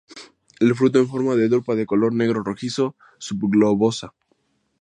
El fruto en forma de drupa de color negro rojizo, subglobosa.